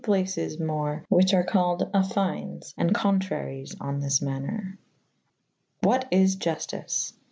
places mo, whiche ar callyd affynes' and contraries on thzj maner. What is Juftice